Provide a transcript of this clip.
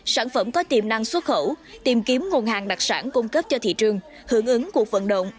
sản phẩm có tiềm năng xuất khẩu tìm kiếm nguồn hàng đặc sản cung cấp cho thị trường hưởng ứng cuộc vận động